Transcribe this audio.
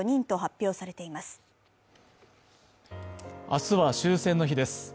明日は終戦の日です。